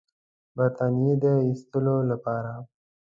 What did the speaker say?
برټانیې د ایستلو لپاره.